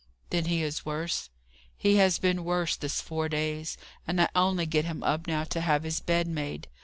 "Then he is worse?" "He has been worse this four days. And I only get him up now to have his bed made.